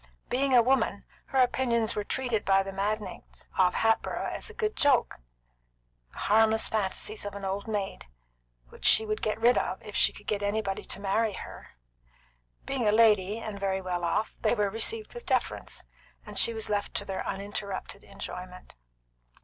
Being a woman, her opinions were treated by the magnates of Hatboro' as a good joke, the harmless fantasies of an old maid, which she would get rid of if she could get anybody to marry her; being a lady, and very well off, they were received with deference, and she was left to their uninterrupted enjoyment.